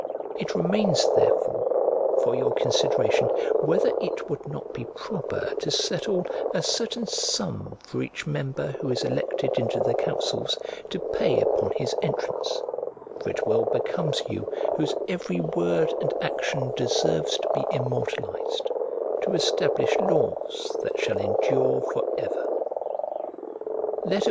It remains, therefore, for your consideration whether it would not be proper to settle a certain sum for each member who is elected into the councils to pay upon his entrance; for it well becomes you, whose every word and action deserves to be immortalized, to establish laws that shall endure for ever.